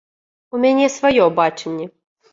У мяне сваё бачанне.